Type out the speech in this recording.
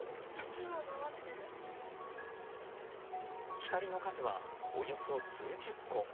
光の数はおよそ数十個。